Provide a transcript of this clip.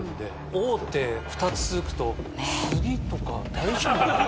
大手２つ続くと次とか大丈夫かな？